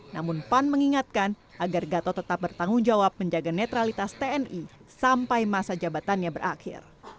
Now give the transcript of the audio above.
namun pan mengingatkan agar gatot tetap bertanggung jawab menjaga netralitas tni sampai masa jabatannya berakhir